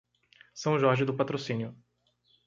São Jorge do Patrocínio